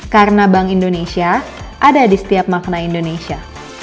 karena bank indonesia ada di setiap makna indonesia